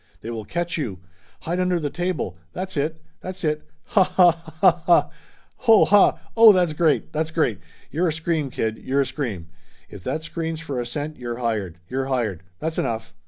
They will catch you! Hide under the table. That's it ! That's it ! Ha, ha, ha, ha ! Ho, ha Oh, that's great! That's great! You're a scream, kid, you're a scream ! If that screens for a cent you're hired ! You're hired ! That's enough